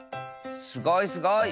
すごいすごい。